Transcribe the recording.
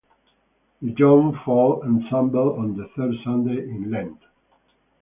The young folk assemble on the third Sunday in Lent.